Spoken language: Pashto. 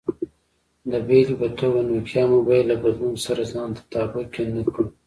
د بېلګې په توګه، نوکیا موبایل له بدلون سره ځان تطابق کې نه کړ.